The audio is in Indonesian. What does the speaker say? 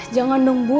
jangan dong bu